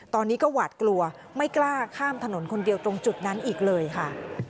ตอนนี้ก็หวาดกลัวไม่กล้าข้ามถนนคนเดียวตรงจุดนั้นอีกเลยค่ะ